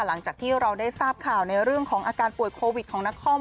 หลังจากที่เราได้ทราบข่าวในเรื่องของอาการป่วยโควิดของนคร